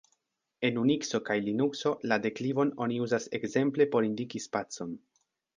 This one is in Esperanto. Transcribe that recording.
En Unikso kaj Linukso la deklivon oni uzas ekzemple por indiki spacon.